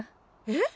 えっ？